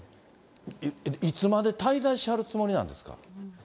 いつまで滞在しはるつもりなんですか？